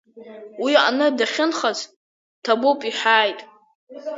Уи аҟны дахьынхаз ҭабуп иҳәааит.